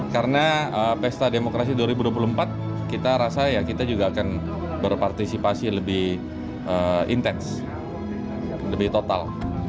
karena pesta demokrasi dua ribu dua puluh empat kita rasa ya kita juga akan berpartisipasi lebih intens lebih total